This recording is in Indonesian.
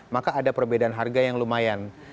maka ada perbedaan harga yang lumayan